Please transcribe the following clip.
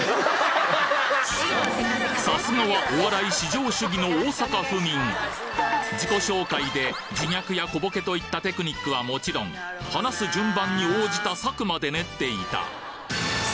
さすがは自己紹介で自虐や小ボケといったテクニックはもちろん話す順番に応じた策まで練っていた